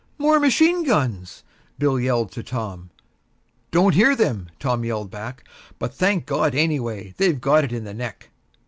"More machine guns!" Bill yelled to Tom. "Don't hear them," Tom yelled back. "But, thank God, anyway; they've got it in the neck."